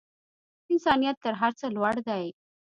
انسانیت تر هر څه لوړ دی.